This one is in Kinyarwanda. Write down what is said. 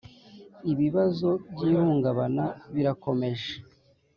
Ibibazo by ihungabana birakomeje